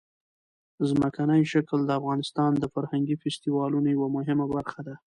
ځمکنی شکل د افغانستان د فرهنګي فستیوالونو یوه مهمه برخه ده.